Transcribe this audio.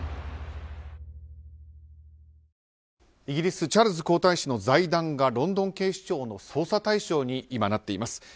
イギリスチャールズ皇太子の財団がロンドン警視庁の捜査対象に今、なっています。